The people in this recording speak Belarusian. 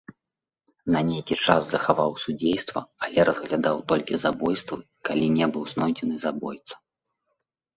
На нейкі час захаваў судзейства, але разглядаў толькі забойствы, калі не быў знойдзены забойца.